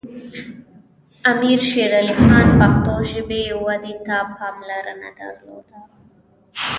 امیر شیر علی خان پښتو ژبې ودې ته پاملرنه درلوده.